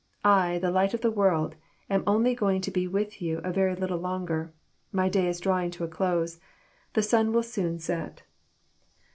•* I, the Light of the world, am only going to be with you a very little longer. My day is drawing to a close. The sun will soon set."